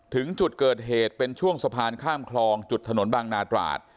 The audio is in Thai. ถึงจุดเกิดเหตุเป็นช่วงสะพานข้ามคลองจุดถนนบางนาตราด